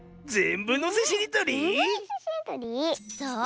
そう。